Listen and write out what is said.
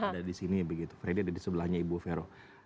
ada di sini begitu freddy ada di sebelahnya ibu vero